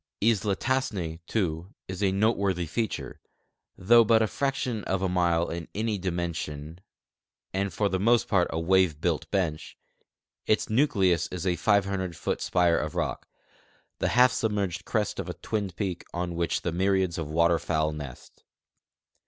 Isla Tassne, too, is a noteworthy feature ; though but a fraction of a mile in any dimension and for the most part a wave built bench, its nucleus is a 500 foot spire of rock, the half submerged crest of a twinned peak, on which myriads of water fowl nest.